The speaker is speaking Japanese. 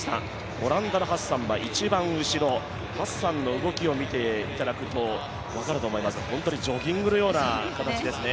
オランダのハッサンは一番後ろ、ハッサンの動きを見てもらうと分かると思いますが本当にジョギングのような形ですね。